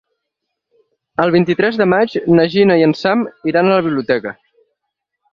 El vint-i-tres de maig na Gina i en Sam iran a la biblioteca.